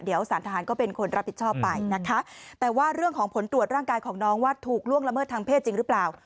เดี๋ยวสารทหารก็เป็นคนรับผิดชอบไปนะคะแต่ว่าเรื่องของผลตรวจร่างกายของน้องว่าถูกล่วงละเมิดทางเพศจริงหรือเปล่า